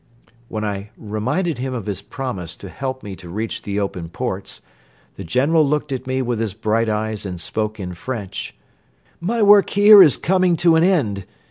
When I reminded him of his promise to help me to reach the open ports, the General looked at me with his bright eyes and spoke in French: "My work here is coming to an end.